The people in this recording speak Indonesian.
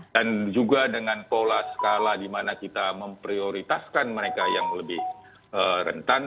dan juga dengan pola skala dimana kita memprioritaskan mereka yang lebih rentan